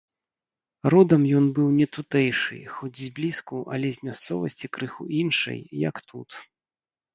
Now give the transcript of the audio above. Родам ён быў не тутэйшы, хоць зблізку, але з мясцовасці крыху іншай, як тут.